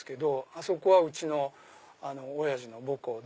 あそこはうちのおやじの母校で。